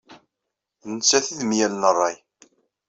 D nettat i d myal n ṛṛay.